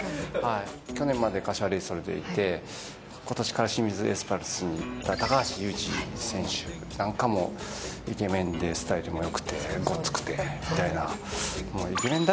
去年まで柏レイソルにいて今年から清水エスパルスに行った高橋祐治選手なんかもイケメンでスタイルもよくてゴツくてみたいな。